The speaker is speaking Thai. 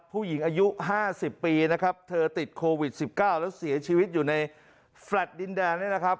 ผู้หญิงอายุ๕๐ปีนะครับเธอติดโควิด๑๙แล้วเสียชีวิตอยู่ในแฟลต์ดินแดนเนี่ยนะครับ